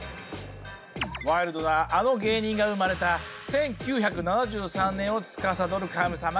ワイルドなあの芸人が生まれた１９７３年をつかさどる神様がこちら。